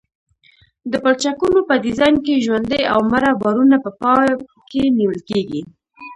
د پلچکونو په ډیزاین کې ژوندي او مړه بارونه په پام کې نیول کیږي